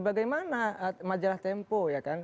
bagaimana majalah tempo ya kan